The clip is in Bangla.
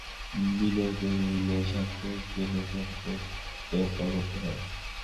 বিনয় কহিল, থাকতে গেলে কপটতা করতে হয়।